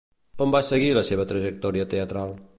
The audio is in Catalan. On va seguir la seva trajectòria teatral?